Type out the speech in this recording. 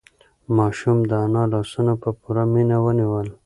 ماشوم د انا لاسونه په پوره مینه ونیول.